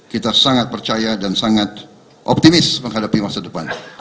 kita sangat percaya dan sangat optimis menghadapi masa depan